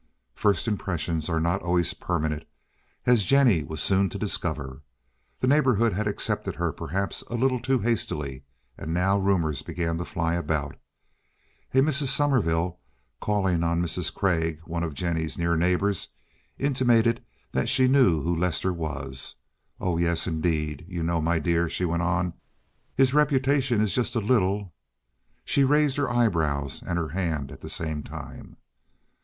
First impressions are not always permanent, as Jennie was soon to discover. The neighborhood had accepted her perhaps a little too hastily, and now rumors began to fly about. A Mrs. Sommerville, calling on Mrs. Craig, one of Jennie's near neighbors, intimated that she knew who Lester was—"oh, yes, indeed. You know, my dear," she went on, "his reputation is just a little—" she raised her eyebrows and her hand at the same time.